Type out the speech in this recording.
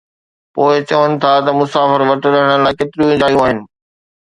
پوءِ چون ٿا ته مسافر وٽ رهڻ لاءِ ڪيتريون ئي جايون آهن